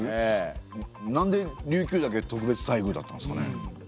なんで琉球だけ特別待遇だったんですかね？